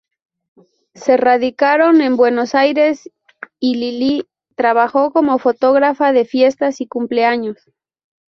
Se radicaron en Buenos Aires, y Lily trabajó como fotógrafa de fiestas y cumpleaños.